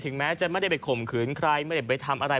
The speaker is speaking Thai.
แม้จะไม่ได้ไปข่มขืนใครไม่ได้ไปทำอะไร